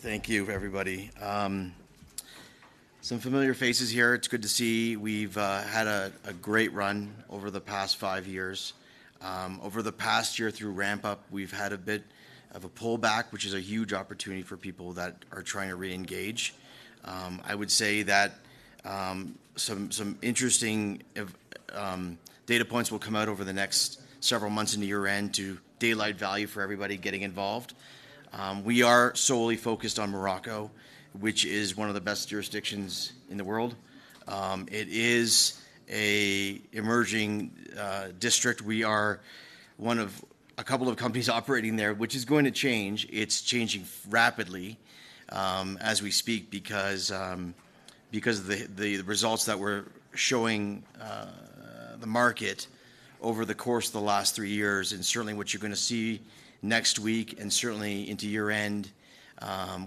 Thank you, everybody. Some familiar faces here. It's good to see. We've had a great run over the past five years. Over the past year through ramp-up, we've had a bit of a pullback, which is a huge opportunity for people that are trying to re-engage. I would say that some interesting data points will come out over the next several months into year-end to daylight value for everybody getting involved. We are solely focused on Morocco, which is one of the best jurisdictions in the world. It is an emerging district. We are one of a couple of companies operating there, which is going to change. It's changing rapidly as we speak because of the results that we're showing the market over the course of the last three years. Certainly, what you're going to see next week and certainly into year-end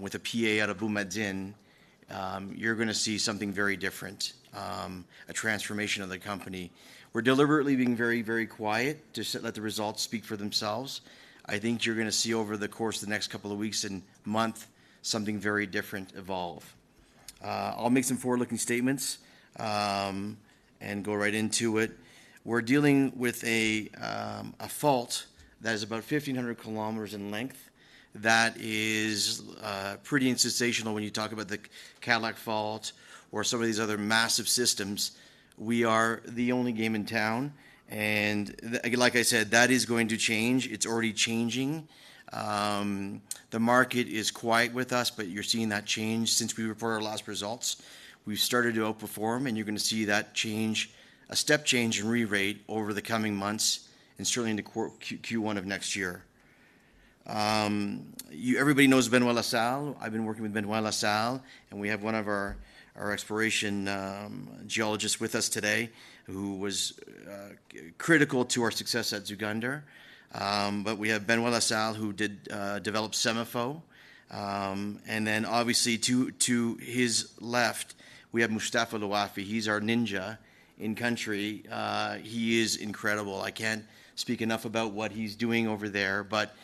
with a PEA out of Boumadine, you're going to see something very different, a transformation of the company. We're deliberately being very, very quiet to let the results speak for themselves. I think you're going to see over the course of the next couple of weeks and months something very different evolve. I'll make some forward-looking statements and go right into it. We're dealing with a fault that is about 1,500 km in length. That is pretty in sensational when you talk about the Cadillac Fault or some of these other massive systems. We are the only game in town. And like I said, that is going to change. It's already changing. The market is quiet with us, but you're seeing that change since we reported our last results. We've started to outperform, and you're going to see that change, a step change in re-rate over the coming months and certainly into Q1 of next year. Everybody knows Benoit La Salle. I've been working with Benoit La Salle, and we have one of our exploration geologists with us today who was critical to our success at Zgounder. But we have Benoit La Salle who did develop SEMAFO. And then, obviously, to his left, we have Mustapha El Ouafi. He's our ninja in country. He is incredible. I can't speak enough about what he's doing over there. But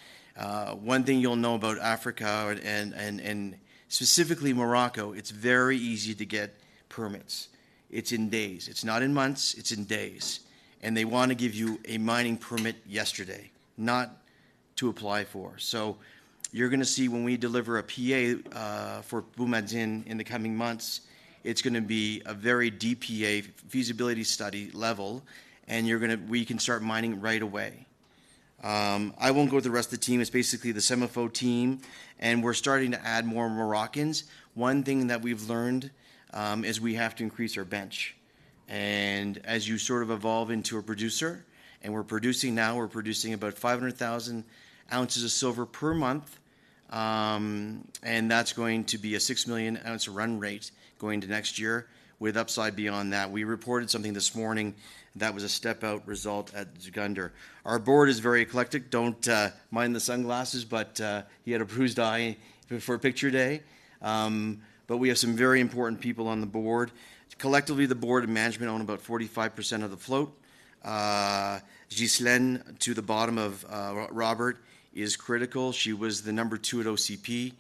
one thing you'll know about Africa and specifically Morocco, it's very easy to get permits. It's in days. It's not in months. It's in days. And they want to give you a mining permit yesterday, not to apply for. So you're going to see when we deliver a PA for Boumadine in the coming months, it's going to be a very detailed PA, feasibility study level, and we can start mining right away. I won't go with the rest of the team. It's basically the SEMAFO team, and we're starting to add more Moroccans. One thing that we've learned is we have to increase our bench. And as you sort of evolve into a producer, and we're producing now, we're producing about 500,000 ounces of silver per month, and that's going to be a 6 million-ounce run rate going into next year with upside beyond that. We reported something this morning that was a step-out result at Zgounder. Our board is very eclectic. Don't mind the sunglasses, but he had a bruised eye for a picture day. But we have some very important people on the board. Collectively, the board and management own about 45% of the float. Ghislane, to the bottom of Robert, is critical. She was the number two at OCP,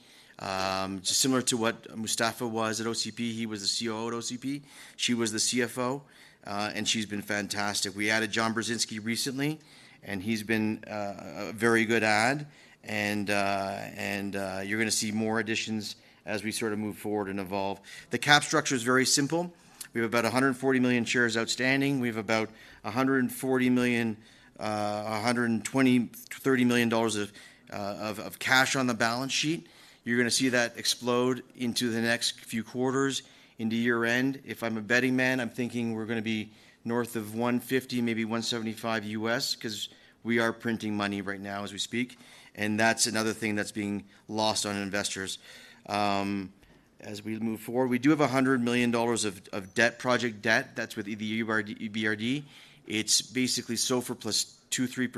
similar to what Mustapha was at OCP. He was the COO at OCP. She was the CFO, and she's been fantastic. We added John Bresnahan recently, and he's been a very good add, and you're going to see more additions as we sort of move forward and evolve. The cap structure is very simple. We have about 140 million shares outstanding. We have about $120 million-$130 million of cash on the balance sheet. You're going to see that explode into the next few quarters, into year-end. If I'm a betting man, I'm thinking we're going to be north of $150 million, maybe $175 million US because we are printing money right now as we speak. And that's another thing that's being lost on investors as we move forward. We do have $100 million of debt, project debt. That's with the EBRD. It's basically SOFR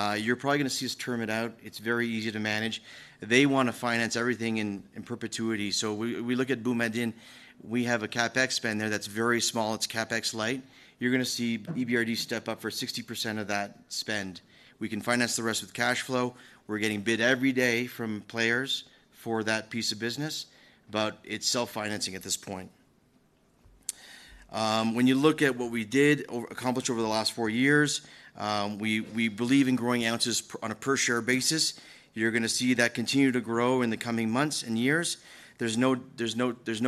plus 2-3%. You're probably going to see us term it out. It's very easy to manage. They want to finance everything in perpetuity. So we look at Boumadine. We have a CapEx spend there that's very small. It's CapEx light. You're going to see EBRD step up for 60% of that spend. We can finance the rest with cash flow. We're getting bid every day from players for that piece of business, but it's self-financing at this point. When you look at what we did accomplish over the last four years, we believe in growing ounces on a per-share basis. You're going to see that continue to grow in the coming months and years. There's no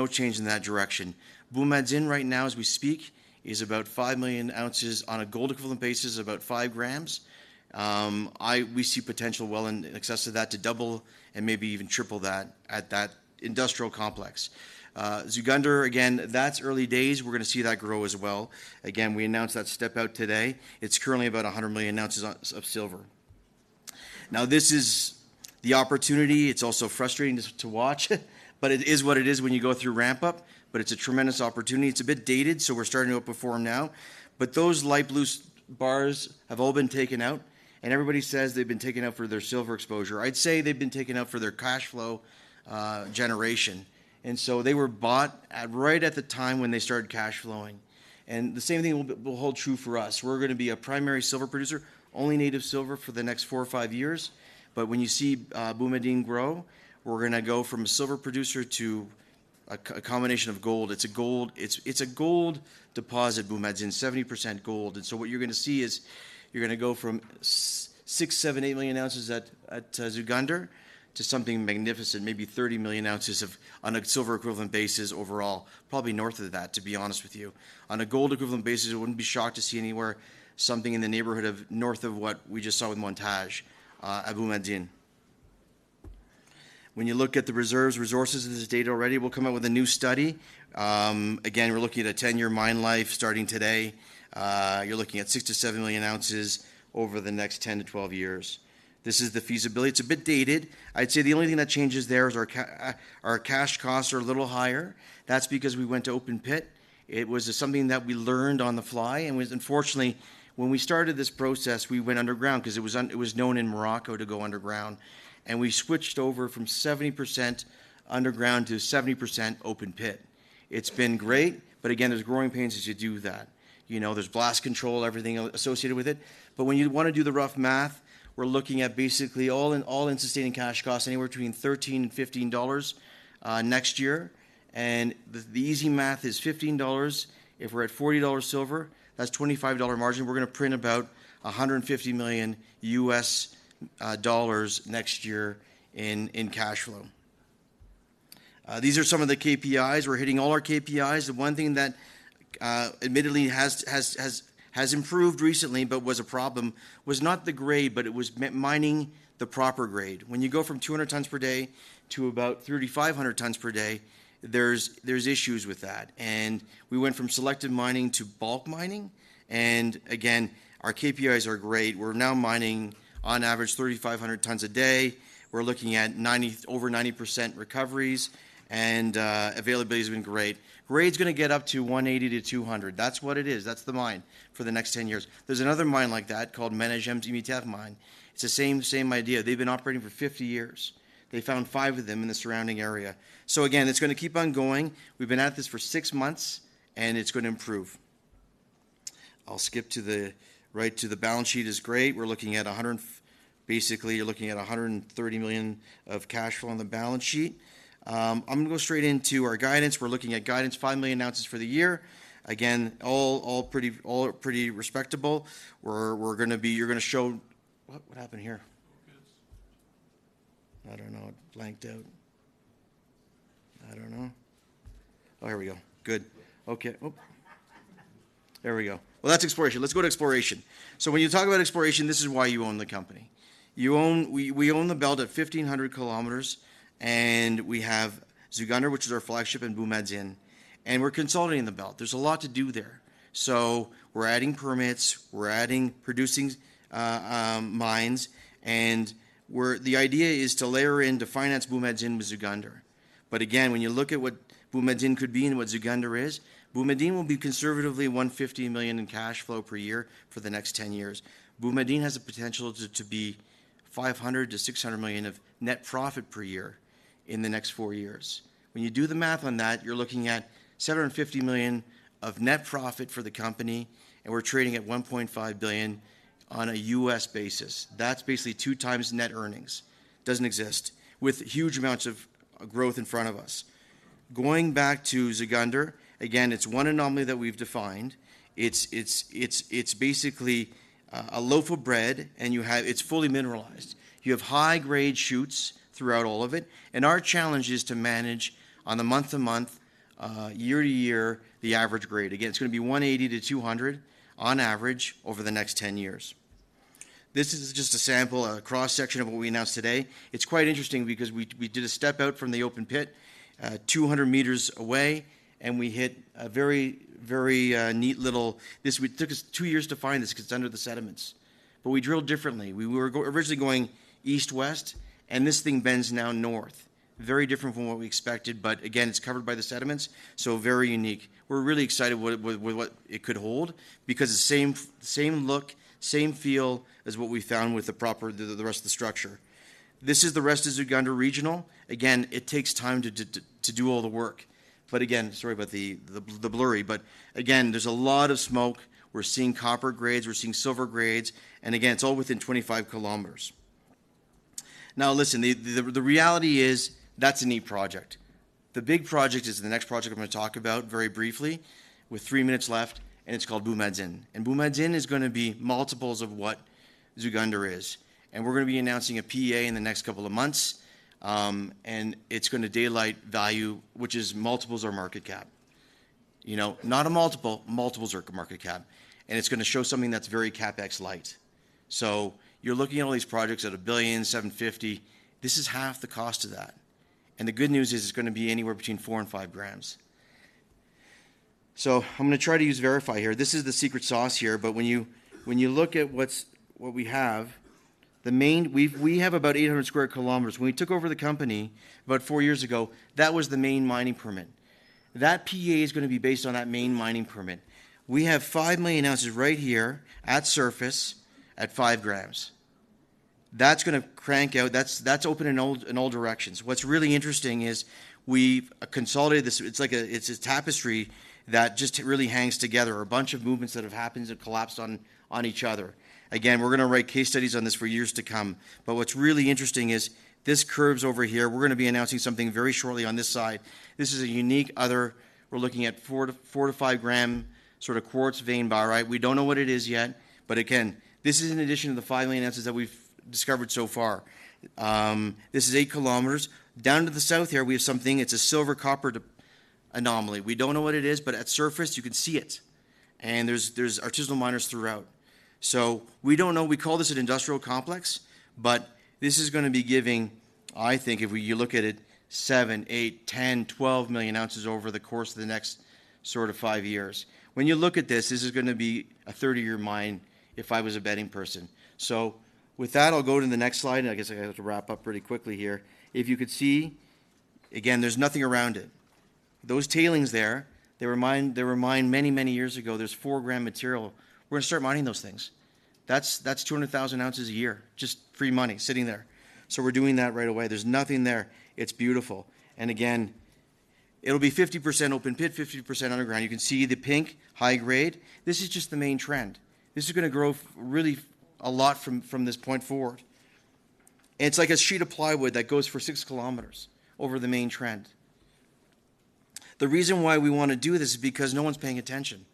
change in that direction. Boumadine right now, as we speak, is about five million ounces on a gold-equivalent basis, about five grams. We see potential well in excess of that to double and maybe even triple that at that industrial complex. Zgounder, again, that's early days. We're going to see that grow as well. Again, we announced that step-out today. It's currently about 100 million ounces of silver. Now, this is the opportunity. It's also frustrating to watch, but it is what it is when you go through ramp-up, but it's a tremendous opportunity. It's a bit dated, so we're starting to outperform now. But those light blue bars have all been taken out, and everybody says they've been taken out for their silver exposure. I'd say they've been taken out for their cash flow generation. They were bought right at the time when they started cash flowing. The same thing will hold true for us. We're going to be a primary silver producer, only native silver for the next four or five years. When you see Boumadine grow, we're going to go from a silver producer to a combination of gold. It's a gold deposit, Boumadine, 70% gold. What you're going to see is you're going to go from six, seven, eight million ounces at Zgounder to something magnificent, maybe 30 million ounces on a silver-equivalent basis overall, probably north of that, to be honest with you. On a gold-equivalent basis, I wouldn't be shocked to see anywhere something in the neighborhood of north of what we just saw with Montage at Boumadine. When you look at the reserves, resources in this data already, we'll come out with a new study. Again, we're looking at a 10-year mine life starting today. You're looking at six to seven million ounces over the next 10 to 12 years. This is the feasibility. It's a bit dated. I'd say the only thing that changes there is our cash costs are a little higher. That's because we went to open pit. It was something that we learned on the fly, and unfortunately, when we started this process, we went underground because it was known in Morocco to go underground, and we switched over from 70% underground to 70% open pit. It's been great, but again, there's growing pains as you do that. There's blast control, everything associated with it. But when you want to do the rough math, we're looking at basically all-in sustaining cash costs anywhere between $13-$15 next year. And the easy math is $15. If we're at $40 silver, that's a $25 margin. We're going to print about $150 million next year in cash flow. These are some of the KPIs. We're hitting all our KPIs. The one thing that admittedly has improved recently but was a problem was not the grade, but it was mining the proper grade. When you go from 200 tons per day to about 3,500 tons per day, there's issues with that. And we went from selective mining to bulk mining. And again, our KPIs are great. We're now mining on average 3,500 tons a day. We're looking at over 90% recoveries, and availability has been great. Grade's going to get up to 180-200. That's what it is. That's the mine for the next 10 years. There's another mine like that called Managem Imiter Mine. It's the same idea. They've been operating for 50 years. They found five of them in the surrounding area. So again, it's going to keep on going. We've been at this for six months, and it's going to improve. I'll skip to the right to the balance sheet is great. We're looking at $100 million, basically you're looking at $130 million of cash on the balance sheet. I'm going to go straight into our guidance. We're looking at guidance, 5 million ounces for the year. Again, all pretty respectable. You're going to show what happened here? I don't know. It blanked out. I don't know. Oh, here we go. Good. Okay. There we go. Well, that's exploration. Let's go to exploration. So when you talk about exploration, this is why you own the company. We own the belt at 1,500 km, and we have Zgounder, which is our flagship, and Boumadine. And we're consolidating the belt. There's a lot to do there. So we're adding permits. We're producing mines. And the idea is to layer in to finance Boumadine with Zgounder. But again, when you look at what Boumadine could be and what Zgounder is, Boumadine will be conservatively $150 million in cash flow per year for the next 10 years. Boumadine has the potential to be $500-$600 million of net profit per year in the next four years. When you do the math on that, you're looking at $750 million of net profit for the company, and we're trading at $1.5 billion on a US basis. That's basically two times net earnings. Doesn't exist with huge amounts of growth in front of us. Going back to Zgounder, again, it's one anomaly that we've defined. It's basically a loaf of bread, and it's fully mineralized. You have high-grade shoots throughout all of it. And our challenge is to manage on the month-to-month, year-to-year, the average grade. Again, it's going to be 180-200 on average over the next 10 years. This is just a sample, a cross-section of what we announced today. It's quite interesting because we did a step-out from the open pit 200 meters away, and we hit a very, very neat little. This took us two years to find because it's under the sediments. But we drilled differently. We were originally going east-west, and this thing bends now north. Very different from what we expected, but again, it's covered by the sediments, so very unique. We're really excited with what it could hold because it's the same look, same feel as what we found with the rest of the structure. This is the rest of Zgounder Regional. Again, it takes time to do all the work. But again, sorry about the blurry, but again, there's a lot of smoke. We're seeing copper grades. We're seeing silver grades. And again, it's all within 25 kilometers. Now, listen, the reality is that's a neat project. The big project is the next project I'm going to talk about very briefly with three minutes left, and it's called Boumadine. And Boumadine is going to be multiples of what Zgounder is. And we're going to be announcing a PA in the next couple of months, and it's going to daylight value, which is multiples our market cap. Not a multiple, multiples our market cap. And it's going to show something that's very CapEx light. So you're looking at all these projects at a billion, 750. This is half the cost of that. And the good news is it's going to be anywhere between 4 and 5 grams. So I'm going to try to use Vriify here. This is the secret sauce here, but when you look at what we have, we have about 800 sq km. When we took over the company about four years ago, that was the main mining permit. That PA is going to be based on that main mining permit. We have five million ounces right here at surface at five grams. That's going to crank out. That's opening in all directions. What's really interesting is we've consolidated this. It's a tapestry that just really hangs together. A bunch of movements that have happened have collapsed on each other. Again, we're going to write case studies on this for years to come. But what's really interesting is this curves over here. We're going to be announcing something very shortly on this side. This is a unique other. We're looking at 4-5 gram sort of quartz vein barite. We don't know what it is yet, but again, this is in addition to the 5 million ounces that we've discovered so far. This is 8 km. Down to the south here, we have something. It's a silver-copper anomaly. We don't know what it is, but at surface, you can see it. And there's artisanal miners throughout. So we don't know. We call this an industrial complex, but this is going to be giving, I think, if you look at it, seven, eight, 10, 12 million ounces over the course of the next sort of five years. When you look at this, this is going to be a 30-year mine if I was a betting person. So with that, I'll go to the next slide. I guess I have to wrap up pretty quickly here. If you could see, again, there's nothing around it. Those tailings there, they were mined many, many years ago. There's 4 gram material. We're going to start mining those things. That's 200,000 ounces a year, just free money sitting there. So we're doing that right away. There's nothing there. It's beautiful. And again, it'll be 50% open pit, 50% underground. You can see the pink high grade. This is just the main trend. This is going to grow really a lot from this point forward. It's like a sheet of plywood that goes for six kilometers over the main trend. The reason why we want to do this is because no one's paying attention.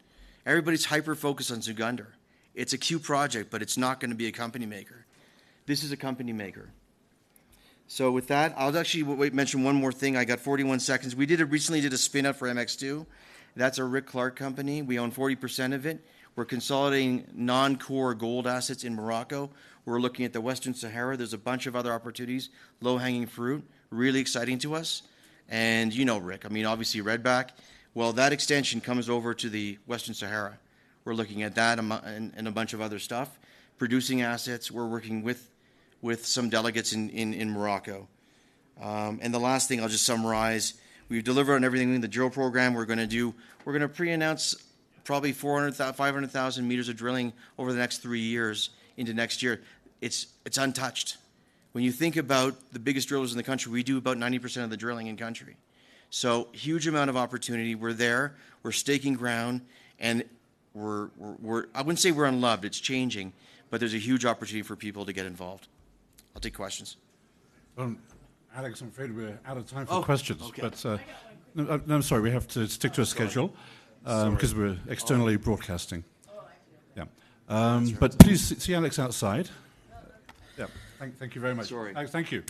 Everybody's hyper-focused on Zgounder. It's a cute project, but it's not going to be a company maker. This is a company maker. So with that, I'll actually mention one more thing. I got 41 seconds. We recently did a spin-out for Mx2. That's a Rick Clark company. We own 40% of it. We're consolidating non-core gold assets in Morocco. We're looking at the Western Sahara. There's a bunch of other opportunities, low-hanging fruit, really exciting to us. And you know Rick, I mean, obviously Red Back. Well, that extension comes over to the Western Sahara. We're looking at that and a bunch of other stuff, producing assets. We're working with some delegates in Morocco. And the last thing I'll just summarize. We've delivered on everything in the drill program we're going to do. We're going to pre-announce probably 500,000 meters of drilling over the next three years into next year. It's untouched. When you think about the biggest drillers in the country, we do about 90% of the drilling in country, so huge amount of opportunity. We're there. We're staking ground and I wouldn't say we're unloved. It's changing, but there's a huge opportunity for people to get involved. I'll take questions. Alex, I'm afraid we're out of time for questions, but no, I'm sorry. We have to stick to a schedule because we're externally broadcasting. Yeah, but please see Alex outside. Yeah. Thank you very much. Sorry. Thank you.